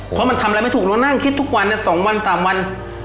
เพราะมันทำอะไรไม่ถูกเรานั่งคิดทุกวัน๒วัน๓วัน